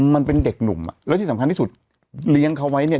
มันเป็นเด็กหนุ่มอ่ะแล้วที่สำคัญที่สุดเลี้ยงเขาไว้เนี่ย